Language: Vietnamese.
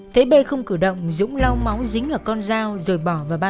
thế bê không cử động dũng lau máu dính ở con rau rồi bỏ vào ba lô